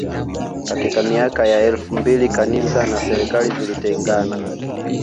Katika miaka ya elfu mbili kanisa na serikali zilitengana